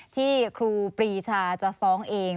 ครูปรีชาจะฟ้องเอง